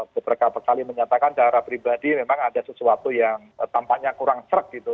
betul betul kali menyatakan secara pribadi memang ada sesuatu yang tampaknya kurang serg gitu